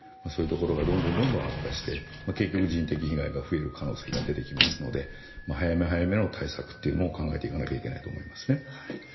そういうところがどんどん悪化して結局、人的被害が増える可能性が出てきますので早め早めの対策を考えていかないといけないと思います。